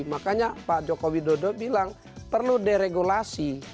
makanya pak jokowi dodo bilang perlu deregulasi